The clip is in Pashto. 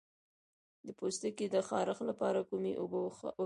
د پوستکي د خارښ لپاره کومې اوبه وکاروم؟